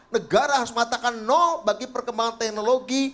negara harus mengatakan no bagi perkembangan teknologi